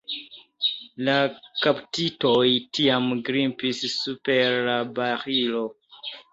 La kaptitoj tiam grimpis super la barilo.